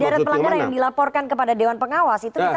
tapi tadi deret pelanggaran yang dilaporkan kepada dewan pengawas itu kita